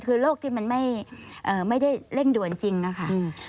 คือโรคที่มันไม่ได้เร่งด่วนจริงนะคะ